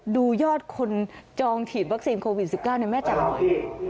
ดูยอดคนจองฉีดวัคซีนโควิด๑๙ในแม่จำหน่อย